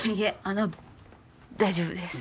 あの大丈夫です。